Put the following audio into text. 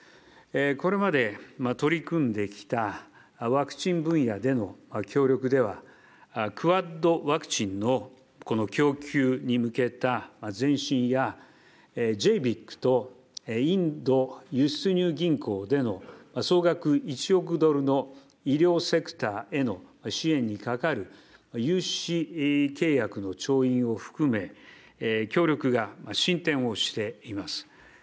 これまで取り組んできたワクチン分野での協力では、クアッドワクチンの供給に向けた前進や、ＪＢＩＣとインド輸出入銀行での総額１億ドルの医療セクターへの支援にかかる融資契約の調印を含め、協力が進展をしています。